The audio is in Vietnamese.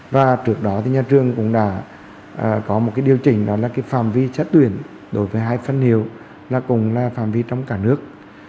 và trước đó thì nhà trường cũng đã có một điều chỉnh đó là cái phạm vi chất tuyển đối với hai phân hiệu là cùng là phạm vi trong cả nước